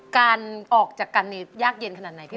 การออกจากกันยากเย็นขนาดไหนพี่